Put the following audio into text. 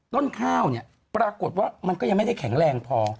ต้นข้าวเนี่ยปรากฏว่ามันก็ยังไม่ได้แข็งแรงพอ